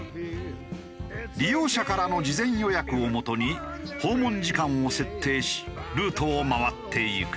利用者からの事前予約をもとに訪問時間を設定しルートを回っていく。